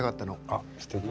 あっすてき。